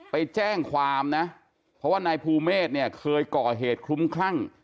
ไปแจ้งความนะเพราะว่านายภูเมฆเนี่ยเคยก่อเหตุคลุ้มคลั่ง